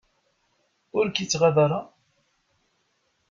Ur k-ittɣaḍ ara?